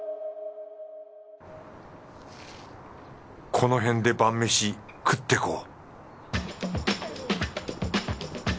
このへんで晩めし食ってこう